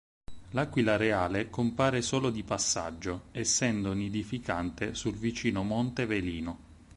L'aquila reale compare solo di passaggio, essendo nidificante sul vicino monte Velino.